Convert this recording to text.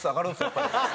やっぱり。